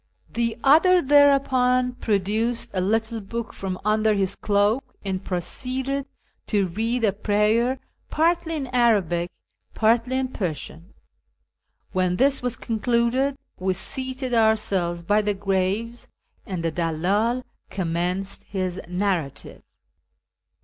The other thereupon produced a little book from under his cloak, and proceeded to read a prayer, partly in Arabic, partly in Persian. When this was concluded, we seated ourselves by the graves, and the dallM commenced his narrative.